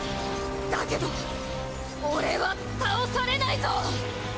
だけど俺は倒されないぞ！